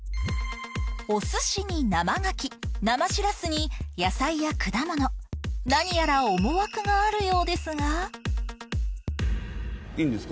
お寿司に生ガキ生シラスに野菜や果物何やら思惑があるようですがいいんですか？